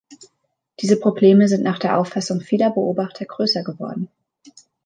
Diese Probleme sind nach Auffassung vieler Beobachter größer geworden.